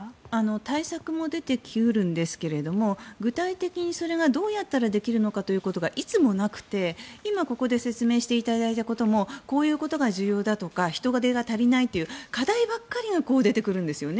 対策も出て来得るんですが具体的にそれがどうやったらできるかということがいつもなくて、今ここで説明していただいたこともこういうことが重要だとか人手が足りないとか課題ばかりが出てくるんです。